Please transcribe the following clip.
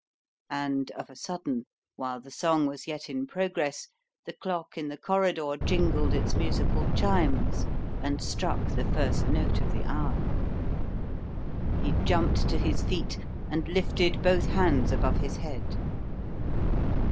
And, of a sudden, while the song was yet in progress, the clock in the corridor jingled its musical chimes and struck the first note of the hour. He jumped to his feet and lifted both hands above his head.